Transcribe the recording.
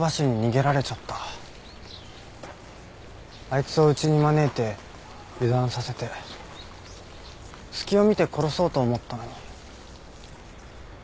あいつをうちに招いて油断させて隙を見て殺そうと思ったのに。